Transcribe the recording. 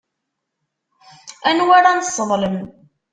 Anwa ara nesseḍlem?